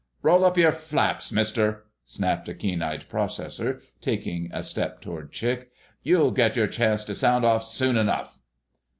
"Roll up your flaps, Mister!" snapped a keen eared processor, taking a step toward Chick. "You'll get your chance to sound off soon enough!"